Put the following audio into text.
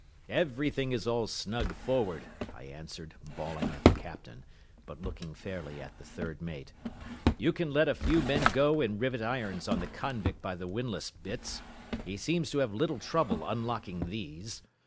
"Everything is all snug forward," I answered, bawling at the captain, but looking fairly at the third mate. "You can let a few men go and rivet irons on the convict by the windlass bitts. He seems to have little trouble unlocking these."